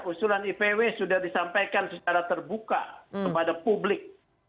usulan ipw sudah disampaikan secara terbuka kepada publik